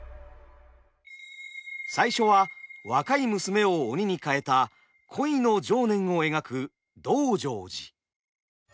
最初は若い娘を鬼に変えた恋の情念を描く「道成寺」。